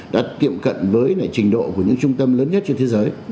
đã tiệm cận với trình độ của những trung tâm lớn nhất trên thế giới